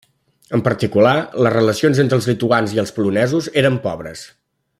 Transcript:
En particular, les relacions entre els lituans i els polonesos eren pobres.